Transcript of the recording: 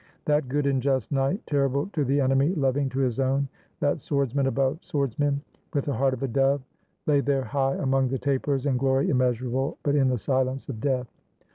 That good and just knight, terrible to the enemy, loving to his own; that swordsman above swordsmen, with the heart of a dove, — lay there high among the tapers, in glory immeasurable, but in the silence of death.